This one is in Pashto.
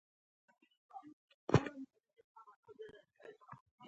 داسې یو بحث چې دوی ته د ملي